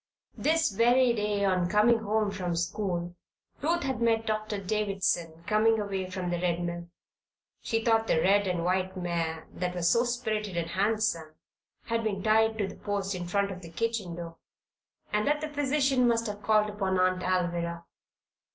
This very day, on coming home from school, Ruth had met Doctor Davison coming away from the Red Mill. She thought the red and white mare, that was so spirited and handsome, had been tied to the post in front of the kitchen door, and that the physician must have called upon Aunt Alvirah.